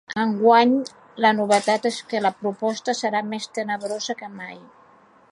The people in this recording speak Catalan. Enguany, la novetat és que la proposta serà més tenebrosa que mai.